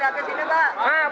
ibu ke depan pak